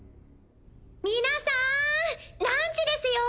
皆さんランチですよ！